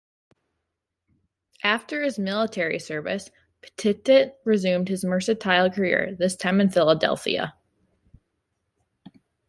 After his military service, Pettit resumed a mercantile career, this time in Philadelphia.